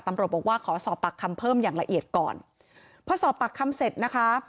ตำรวจบอกว่าขอสอบปากคำเพิ่มอย่างละเอียดก่อนพอสอบปากคำเสร็จนะคะ